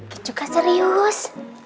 ki juga serius